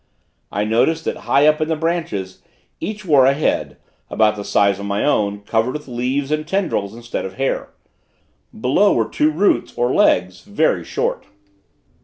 I noticed that high up in the branches each wore a head, about the size of my own, covered with leaves and tendrils instead of hair. Below were two roots or legs, very short.